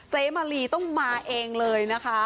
มาลีต้องมาเองเลยนะคะ